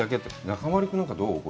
中丸君なんか、どう？